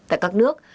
tại các nước